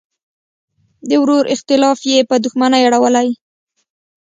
د ورور اختلاف یې په دوښمنۍ اړولی.